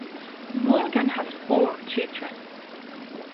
Morgan has four children.